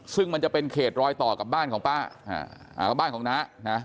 ซึ่งมันจะเป็นเขตรอยต่อกับบ้านของป้าบ้านของน้านะ